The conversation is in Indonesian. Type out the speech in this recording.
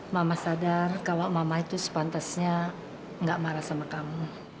mama sadar kalau mama itu sepantasnya gak marah sama kamu